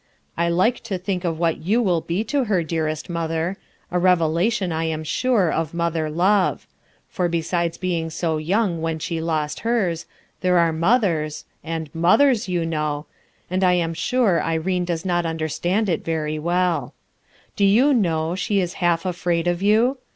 I like to think of what you will be to her, dearest mother; a SENTIMENT AND SACRIFICE 117 revelation, I am sure, of mother love; for be sides being so young when she lost hers, there are mothers, and mothers t you know, and I am sure Irene does not understand it very well Do you know, she is half afraid of you?